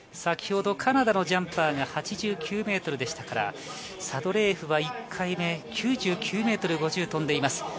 カナダのジャンパーが８９ｍでしたが、サドレーエフは１回目９９ｍ５０を飛んでいます。